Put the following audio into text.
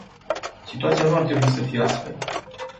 Situația nu ar trebui să fie astfel.